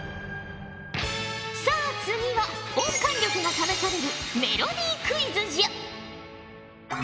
さあ次は音感力が試されるメロディクイズじゃ。